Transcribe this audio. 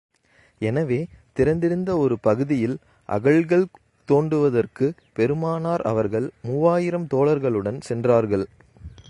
எனவே திறந்திருந்த ஒரு பகுதியில் அகழ்கள் தோண்டுவதற்குப் பெருமானார் அவர்கள் மூவாயிரம் தோழர்களுடன் சென்றார்கள்.